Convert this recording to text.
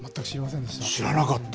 知らなかった。